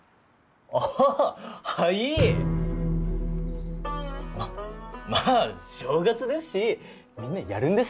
アッハハはいままあ正月ですしみんなやるんです